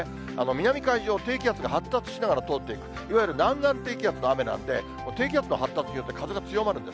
南海上、低気圧が発達しながら通っていく、いわゆる南岸低気圧の雨なんで、低気圧の発達によって、風が強まるんです。